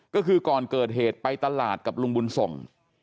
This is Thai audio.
ก็คือก่อนเกิดเหตุไปตลาดกับลุงบุญส่ง